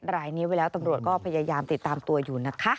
รายนี้ไว้แล้วตำรวจก็พยายามติดตามตัวอยู่นะคะ